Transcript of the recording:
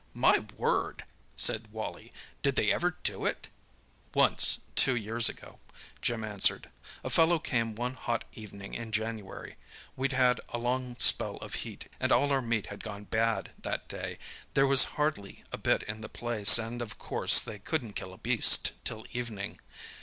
"My word!" said Wally. "Did they ever do it?" "Once—two years ago," Jim answered. "A fellow came one hot evening in January. We'd had a long spell of heat, and all our meat had gone bad that day; there was hardly a bit in the place, and of course they couldn't kill a beast till evening.